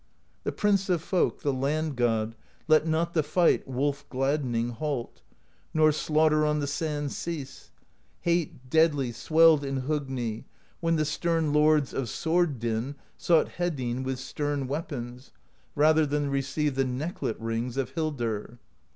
The Prince of Folk, the Land God, Let not the fight, wolf gladdening. Halt, nor slaughter on the sands cease. Hate, deadly, swelled in Hogni, When the stern Lords of Sword Din Sought Hedinn with stern weapons, Rather than receive The necklet rings of Hildr.